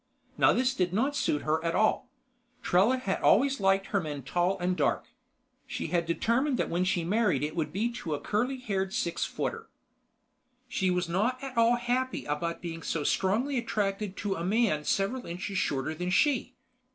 Now this did not suit her at all. Trella had always liked her men tall and dark. She had determined that when she married it would be to a curly haired six footer. She was not at all happy about being so strongly attracted to a man several inches shorter than she.